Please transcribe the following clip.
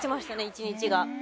１日が。